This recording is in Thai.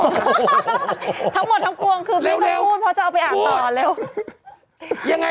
ทั้งหมดทั้งกวงคือเร็วเร็วค่ะพอก็จะเอาไปอ่านตอน